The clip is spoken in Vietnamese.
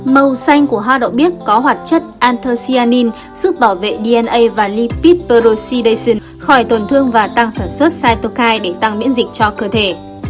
màu xanh của hoa đậu biếc có hoạt chất anthocyanin giúp bảo vệ dna và lipid peroxidase khỏi tổn thương và tăng sản xuất cytokine để tăng miễn dịch cho cơ thể